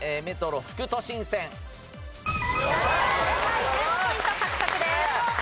１５ポイント獲得です。